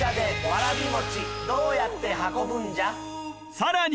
［さらに］